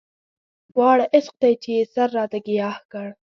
واړه عشق دی چې يې سر راته ګياه کړ